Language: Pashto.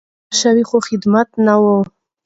مالیه اخیستل شوه خو خدمت نه وو.